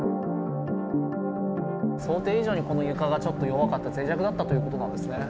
想定以上にこの床がちょっと弱かったぜい弱だったということなんですね。